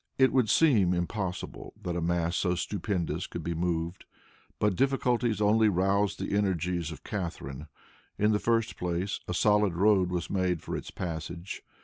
It would seem impossible that a mass so stupendous could be moved. But difficulties only roused the energies of Catharine. In the first place, a solid road was made for its passage.